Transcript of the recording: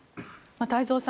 太蔵さん